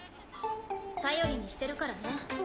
・頼りにしてるからね。